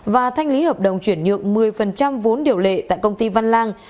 và thanh lý hợp đồng chuyển nhượng một mươi vốn điều lệ tại công ty văn lang